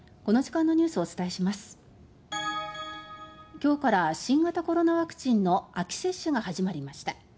今日から新型コロナワクチンの秋接種が始まりました。